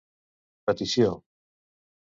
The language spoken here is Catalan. Petició: